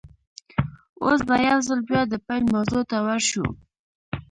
اوس به يوځل بيا د پيل موضوع ته ور شو.